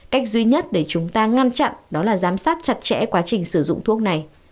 cách duy nhất để chúng ta ngăn chặn đó là giám sát chặt chẽ quá trình sử dụng thuốc này